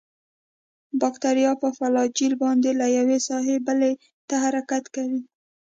باکتریا په فلاجیل باندې له یوې ساحې بلې ته حرکت کوي.